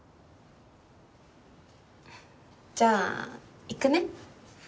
じゃあ行くね。